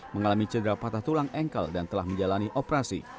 mengalami cedera patah tulang engkel dan telah menjalani operasi